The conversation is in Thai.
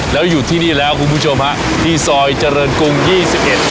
แล้วอยู่ที่นี่แล้วคุณผู้ชมฮะที่ซอยเจริญกรุงยี่สิบเอ็ด